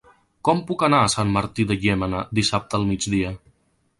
Com puc anar a Sant Martí de Llémena dissabte al migdia?